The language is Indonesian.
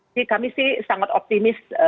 jadi kami sih sangat optimis